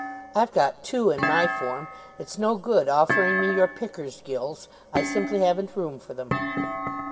I've got two in my form. It's no good offering me your Pickersgills. I simply haven't room for them."